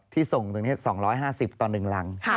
ที่ส่งตรงนี้๒๕๐ตอนหนึ่งหลัง